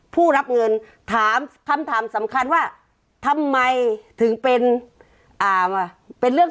ผู้รับเงินถามคำถามสำคัญว่าทำไมถึงเป็นเรื่อง